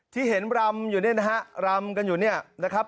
ที่เห็นรำอยู่เนี่ยนะฮะรำกันอยู่เนี่ยนะครับ